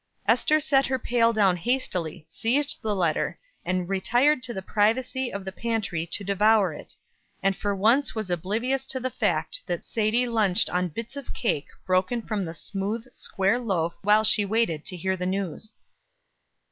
Ester set her pail down hastily, seized the letter, and retired to the privacy of the pantry to devour it; and for once was oblivious to the fact that Sadie lunched on bits of cake broken from the smooth, square loaf while she waited to hear the news.